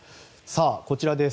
こちらです。